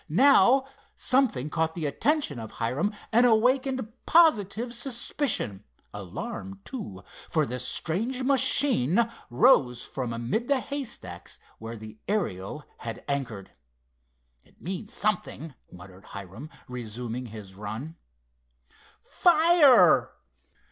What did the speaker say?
Now something caught the attention of Hiram and awakened positive suspicion; alarm, too, for the strange machine arose from amid the haystacks where the Ariel had anchored. "It means something," muttered Hiram, resuming his run. "Fire!"